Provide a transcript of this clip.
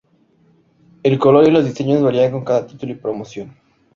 El color y los diseños varían con cada título y promoción.